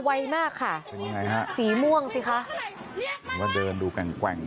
ไวมากค่ะเป็นยังไงฮะสีม่วงสิคะมันก็เดินดูแกว่งแกว่ง